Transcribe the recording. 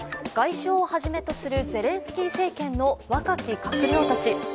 外相をはじめとするゼレンスキー政権の若き閣僚たち。